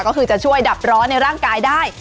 ก็คือจะช่วยดับร้อนในร่างกายได้